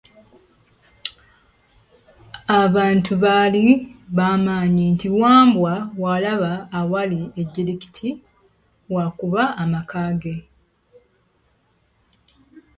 Abantu baali bamanyi nti Wambwa bw'alaba awali ejjirikiti w'akuba amaka ge.